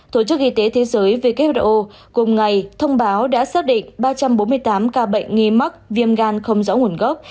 tổ chức y tế thế giới who cùng ngày thông báo đã xác định ba trăm bốn mươi tám ca bệnh nghi mắc viêm gan không rõ nguồn gốc